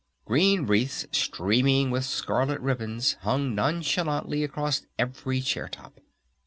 Green wreaths streaming with scarlet ribbons hung nonchalantly across every chair top.